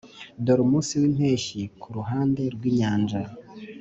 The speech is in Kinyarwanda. dore umunsi wimpeshyi kuruhande rwinyanja